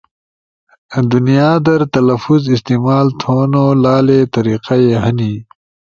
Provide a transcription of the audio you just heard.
دنیا در تلفظ استعمال تھونو لالے طریقہ ئی ہنی،